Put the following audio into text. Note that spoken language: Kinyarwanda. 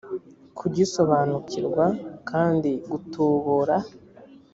kugisobanukirwa kandi gutubura